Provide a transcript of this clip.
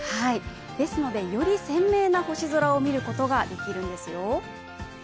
ですので、より鮮明な星空を見ることができるんですよ。